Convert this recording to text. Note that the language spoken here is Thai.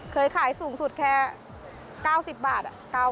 เคยขายสูงสุดแค่๙๐บาท